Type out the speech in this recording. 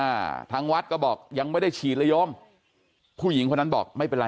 อ่าทางวัดก็บอกยังไม่ได้ฉีดระยมผู้หญิงคนนั้นบอกไม่เป็นไร